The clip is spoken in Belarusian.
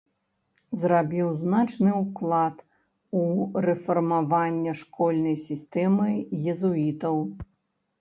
Зрабіў значны ўклад у рэфармаванне школьнай сістэмы езуітаў.